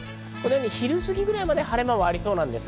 昼過ぎまでは晴れ間はありそうです。